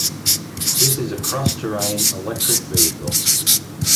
This is a cross-terrain electric vehicle.